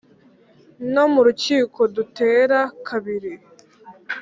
no mu rukiko dutera kabiri